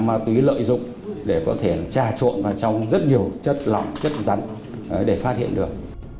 ma túy lợi dụng để có thể trà trộn vào trong rất nhiều chất lỏng chất rắn để phát hiện được